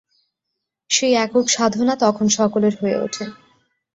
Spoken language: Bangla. সেই একক সাধনা তখন সকলের হয়ে ওঠে।